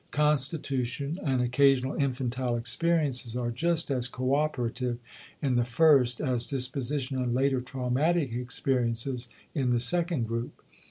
Constitution and occasional infantile experiences are just as coöperative in the first as disposition and later traumatic experiences in the second group.